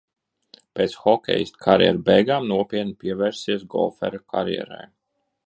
Pēc hokejista karjeras beigām nopietni pievērsies golfera karjerai.